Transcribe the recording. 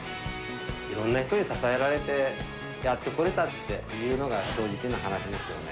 いろんな人に支えられて、やってこれたっていうのが、正直な話ですよね。